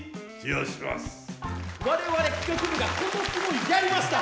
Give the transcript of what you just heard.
我々企画部が今年もやりました！